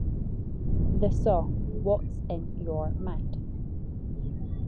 The song What's in Your Mind?